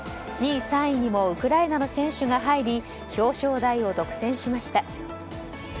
２位、３位にもウクライナの選手が入り表彰台を独占しました。